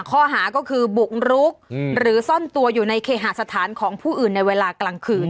ข้อหาก็คือบุกรุกหรือซ่อนตัวอยู่ในเคหาสถานของผู้อื่นในเวลากลางคืน